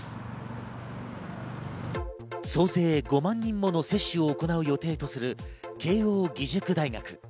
総勢５万人もの接種を行う予定とする慶應義塾大学。